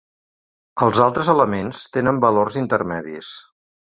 Els altres elements tenen valors intermedis.